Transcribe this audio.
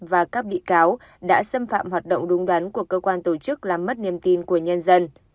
và các bị cáo đã xâm phạm hoạt động đúng đắn của cơ quan tổ chức làm mất niềm tin của nhân dân